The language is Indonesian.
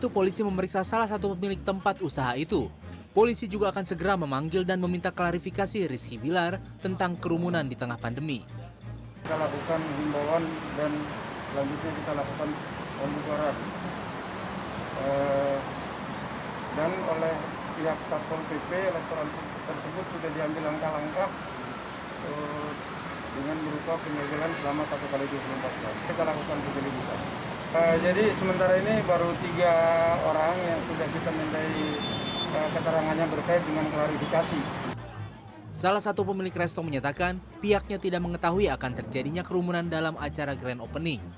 pihaknya tidak mengetahui akan terjadinya kerumunan dalam acara grand opening